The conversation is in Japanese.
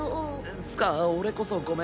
つか俺こそごめん。